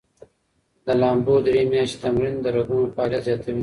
د لامبو درې میاشتې تمرین د رګونو فعالیت زیاتوي.